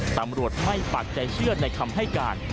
ตำรวจไม่ปักใจเชื่อในคำให้การ